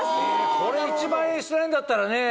これ１万円しないんだったらね。